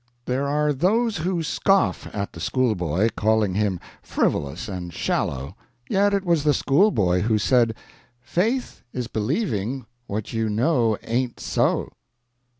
There are those who scoff at the schoolboy, calling him frivolous and shallow: Yet it was the schoolboy who said "Faith is believing what you know ain't so."